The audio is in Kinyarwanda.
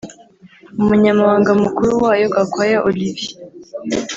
Umunyamabanga mukuru wayo Gakwaya Olivier